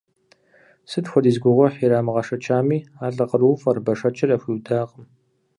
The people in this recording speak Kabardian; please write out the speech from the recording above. Сыт хуэдиз гугъуехь ирамыгъэшэчами, а лӏы къарууфӏэр, бэшэчыр яхуиудакъым.